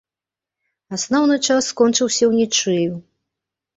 Асноўны час скончыўся ўнічыю.